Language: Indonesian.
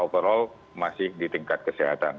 overall masih di tingkat kesehatan